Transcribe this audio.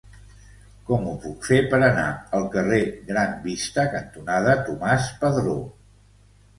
Com ho puc fer per anar al carrer Gran Vista cantonada Tomàs Padró?